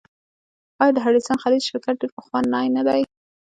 آیا د هډسن خلیج شرکت ډیر پخوانی نه دی؟